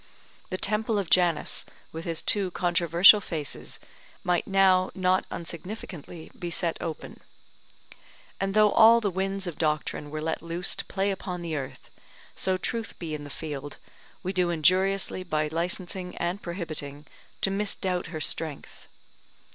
The temple of Janus with his two controversial faces might now not unsignificantly be set open. And though all the winds of doctrine were let loose to play upon the earth, so Truth be in the field, we do injuriously, by licensing and prohibiting, to misdoubt her strength.